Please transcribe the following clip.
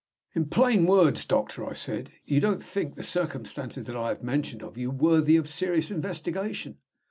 "In plain words, doctor," I said, "you don't think the circumstances that I have mentioned to you worthy of serious investigation?"